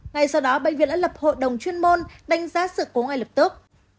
ngay sau đó bệnh viện đã lập hội đồng chuyên môn đánh giá sự cố ngay lập tức